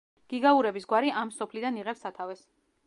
გიგაურების გვარი ამ სოფლიდან იღებს სათავეს.